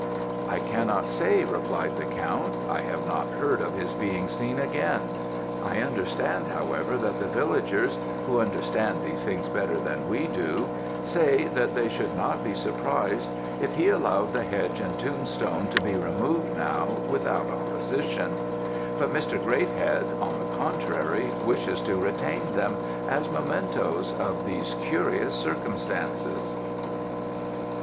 "'I cannot say,' replied the count; 'I have not heard of his being seen since; I understand, however, that the villagers, who understand these things better than we do, say, that they should not be surprised if he allowed the hedge and tombstone to be removed now without opposition; but Mr. Greathead, on the contrary, wished to retain them as mementoes of these curious circumstances.'"